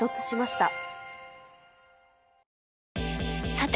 さて！